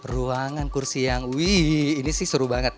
ruangan kursi yang wih ini sih seru banget